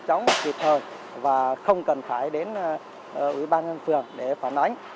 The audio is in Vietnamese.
chóng kịp thời và không cần phải đến ủy ban nhân phường để phản ánh